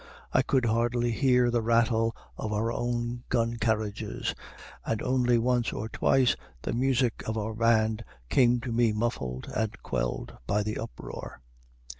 I could hardly hear the rattle of our own gun carriages, and only once or twice the music of our band came to me muffled and quelled by the uproar.